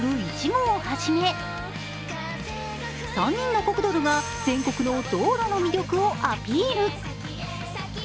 １号をはじめ３人のコクドル！が全国の道路の魅力をアピール。